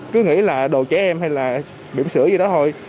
cứ nghĩ là đồ trẻ em hay là biểm sửa gì đó thôi